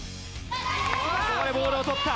ここでボールを捕った。